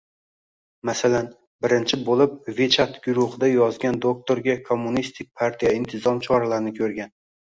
Masalan, birinchi boʻlib WeChat guruhida yozgan doʻktorga Kommunistik partiya intizom choralarini koʻrgan